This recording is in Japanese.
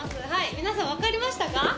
皆さん、分かりましたか？